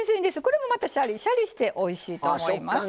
また、シャリシャリしておいしいと思います。